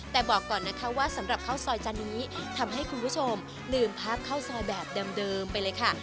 แต่บอกก่อนนะคะว่าสำหรับข้าวซอยจานนี้ทำให้คุณผู้ชมลืมภาพข้าวซอยแบบเดิมไปเลยค่ะ